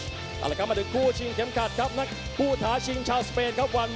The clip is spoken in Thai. เอาล่ะครับมาถึงกลุ่มรองเวทของรายการกันกันกับกลุ่มรองเวทของชิงชาวสเปนครับ